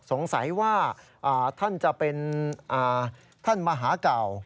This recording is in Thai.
สงสัยว่าท่านจะเป็นท่านมหาเก่า